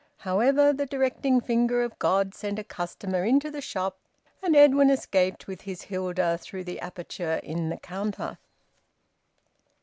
However, the directing finger of God sent a customer into the shop, and Edwin escaped with his Hilda through the aperture in the counter.